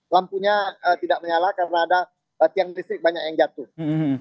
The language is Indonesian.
lampunya tidak menyala karena ada tiang listrik banyak yang jatuh